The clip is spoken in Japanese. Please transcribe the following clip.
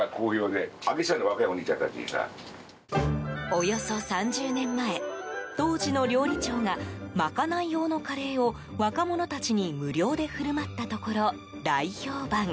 およそ３０年前当時の料理長が賄い用のカレーを、若者たちに無料で振る舞ったところ大評判。